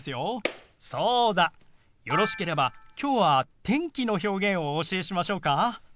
そうだよろしければきょうは天気の表現をお教えしましょうか？